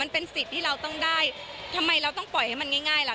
เป็นสิทธิ์ที่เราต้องได้ทำไมเราต้องปล่อยให้มันง่ายล่ะ